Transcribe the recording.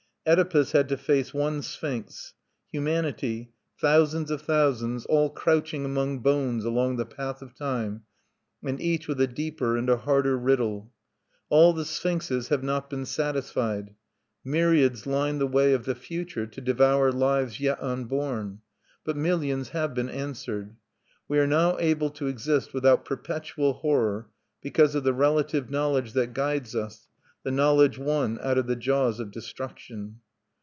Oedipus had to face one Sphinx; humanity, thousands of thousands, all crouching among bones along the path of Time, and each with a deeper and a harder riddle. All the sphinxes have not been satisfied; myriads line the way of the future to devour lives yet unborn; but millions have been answered. We are now able to exist without perpetual horror because of the relative knowledge that guides us, the knowledge won out of the jaws of destruction.